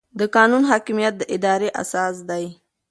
د قانون حاکمیت د ادارې اساس دی.